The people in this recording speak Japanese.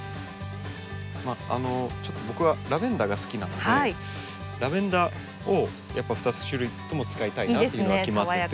まああのちょっと僕はラベンダーが好きなのでラベンダーをやっぱ２種類とも使いたいなというのが決まってて。